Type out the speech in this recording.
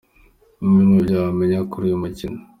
Bimwe mi byo wamenya kuri uyu mukino.